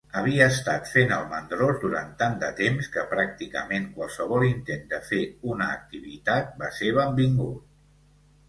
Havia estat fent el mandrós durant tant de temps que pràcticament qualsevol intent de fer una activitat va ser benvingut.